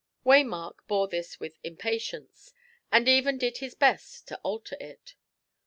Waymark bore this with impatience, and even did his best to alter it.